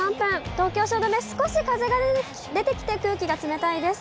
東京・汐留、少し風が出てきて、空気が冷たいです。